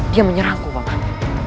dia menyerangku banget